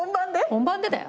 本番でだよ。